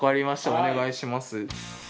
お願いします。